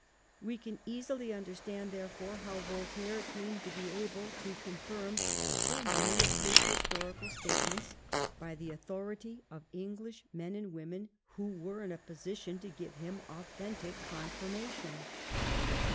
We can easily under stand, therefore, how Voltaire came to be able to confirm so many of his historical statements by the authority of English men and women who were in a position to give them authentic confirmation.